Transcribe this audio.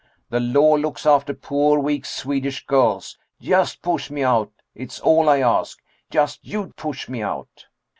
The law looks after poor weak, Swedish girls. Just push me out. It's all I ask. Just you push me out."